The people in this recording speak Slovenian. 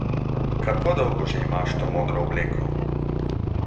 Kako dolgo že imaš to modro obleko?